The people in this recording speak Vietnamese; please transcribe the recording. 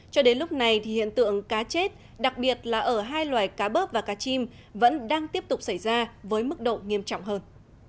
cho đến lúc này thì hiện tượng cá chết đặc biệt là ở hai loài cá bớp và cá chim vẫn đang tiếp tục xảy ra với mức độ nghiêm trọng hơn